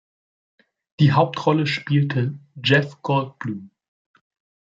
Die Hauptrolle spielte Jeff Goldblum.